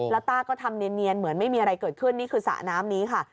แล้วต้าก็ทำเนียนเหมือนไม่มีอะไรเกิดขึ้นนี่คือสระน้ำนี้ค่ะ